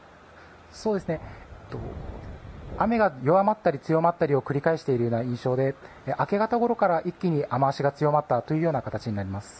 雨が弱まったり強まったりを繰り返している印象で明け方ごろから一気に雨脚が強まったような形です。